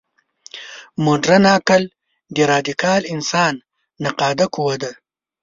مډرن عقل د راډیکال انسان نقاده قوه ده.